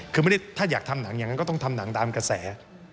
คือไม่ได้ถ้าอยากทำหนังอย่างนั้นก็ต้องทำหนังตามกระแส